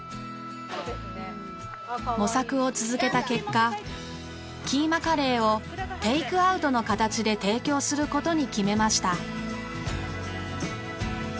模索を続けた結果キーマカレーをテイクアウトの形で提供する事に決めました。